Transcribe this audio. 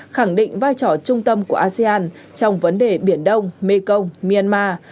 khẳng định vai trò trung tâm của asean trong vấn đề biển đông mekong myanmar